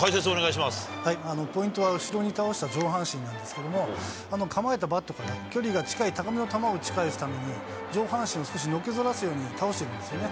ポイントは後ろに倒した上半身なんですけども、構えたバットから距離が近い高めの球を打ち返すために、上半身を少しのけぞらすように倒してるんですね。